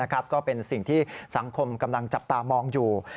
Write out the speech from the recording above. ก็เป็นสิ่งที่สังคมกำลังจับตามองอยู่